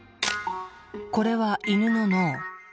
これはイヌの脳。